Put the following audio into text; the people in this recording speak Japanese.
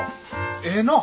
ええなぁ。